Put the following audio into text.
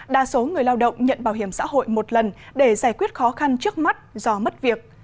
đa số người lao động nhận bảo hiểm xã hội một lần để giải quyết khó khăn trước mắt do mất việc